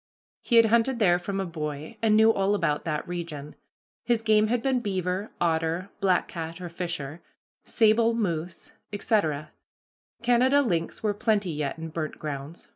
He had hunted there from a boy, and knew all about that region. His game had been beaver, otter, black cat (or fisher), sable, moose, etc. Canada lynx were plenty yet in burnt grounds.